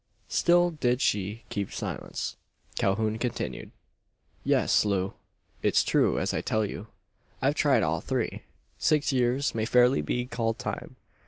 Still did she keep silence. Calhoun continued: "Yes, Loo; it's true as I tell you. I've tried all three. Six years may fairly be called time.